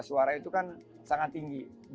suara itu kan sangat tinggi